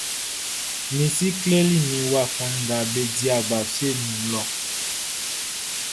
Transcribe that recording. Mi si kleli min wafa nga be di agba fieʼn nun lɔʼn.